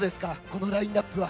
このラインナップは。